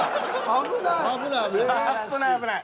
危ない危ない。